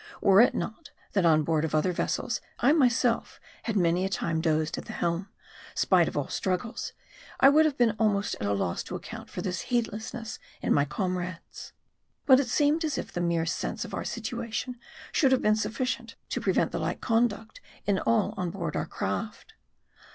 Were it not, that on board of other vessels, I myself had many a time dozed at the helm, spite of all struggles, I would have been almost at a loss to account for this heed lessness in my comrades. But it seemed as if the mere sense of our situation, should have been sufficient to pre vent the like conduct in all on board our craft.